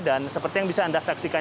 dan seperti yang bisa anda saksikan